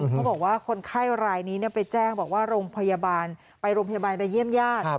เขาบอกว่าคนไข้รายนี้ไปแจ้งบอกว่าไปโรงพยาบาลไปเยี่ยมญาติ